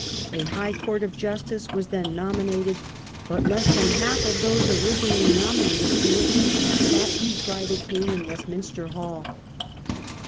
A High Court of Justice was then nominated, but less than half of those originally nominated to it sat to try the king in Westminster Hall.